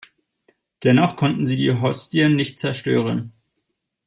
Dennoch konnten sie die Hostien nicht zerstören.